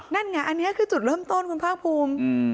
นั่นไงอันนี้คือจุดเริ่มต้นคุณภาคภูมิ